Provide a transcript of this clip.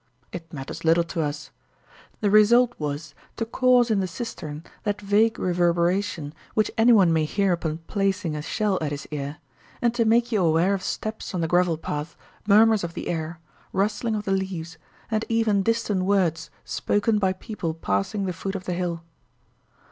It matters little to us. The result was to cause in the cistern that vague reverberation which anyone may hear upon placing a shell at his ear, and to make you aware of steps on the gravel path, murmurs of the air, rustling of the leaves, and even distant words spoken by people passing the foot of the hill.